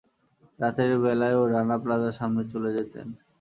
রাতের বেলায়ও রানা প্লাজার সামনে চলে যেতেন।